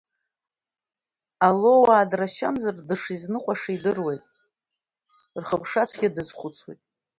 Алоуаа драшьамзар, дышизныҟәаша идыруеит, рхыԥшацәгьа дазхәыцуеит…